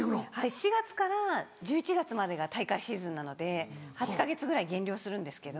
４月から１１月までが大会シーズンなので８か月ぐらい減量するんですけど。